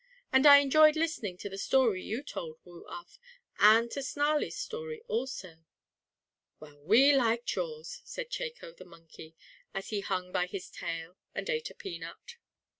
And I enjoyed listening to the story you told, Woo Uff, and to Snarlie's story also." "Well, we liked yours," said Chako, the monkey, as he hung by his tail and ate a peanut.